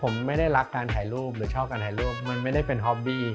ไม่ได้เป็นฮอบบิ